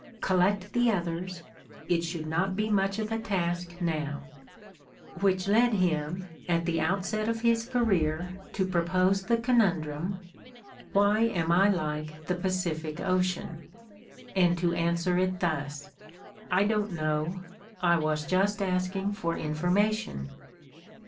Collect the others; it should not be much of a task now"; which led him, at the outset of his career, to propose the conundrum, 22 The Ordeal of Mark Twain "Why am I like the Pacific Ocean?" and to answer it thus: "I don't know. I was just asking for informa tion."